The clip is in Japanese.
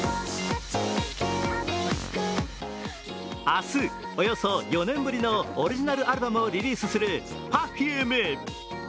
明日、およそ４年ぶりのオリジナルアルバムをリリースするＰｅｒｆｕｍｅ